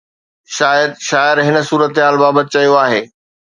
شايد شاعر هن صورتحال بابت چيو آهي.